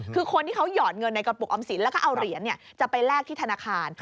คือคนที่เขาหยอดเงินในกระปุกออมสินแล้วก็เอาเหรียญจะไปแลกที่ธนาคาร